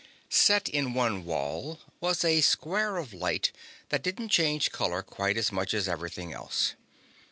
Set in one wall was a square of light that didn't change color quite as much as everything else.